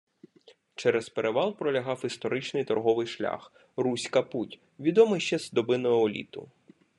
Через перевал пролягав історичний торговий шлях — Руська Путь, відомий ще з доби неоліту.